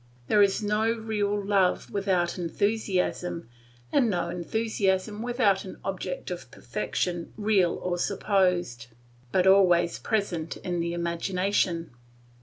There is no real love without enthusiasm, and no enthusiasm without an object of perfection real or supposed, but always present in the imagination.